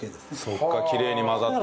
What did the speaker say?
そっかきれいに混ざってる。